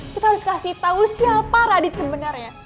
kita harus kasih tahu siapa radit sebenarnya